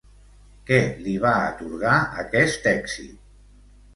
Què li va atorgar aquest èxit?